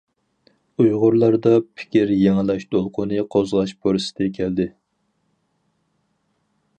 ئۇيغۇرلاردا پىكىر يېڭىلاش دولقۇنى قوزغاش پۇرسىتى كەلدى.